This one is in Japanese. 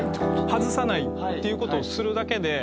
外さないっていう事をするだけで。